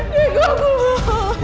deku aku mau